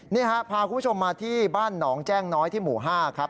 นี่ฮะพาคุณผู้ชมมาที่บ้านหนองแจ้งน้อยที่หมู่๕ครับ